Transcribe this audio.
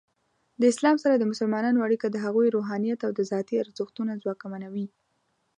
د اسلام سره د مسلمانانو اړیکه د هغوی روحانیت او ذاتی ارزښتونه ځواکمنوي.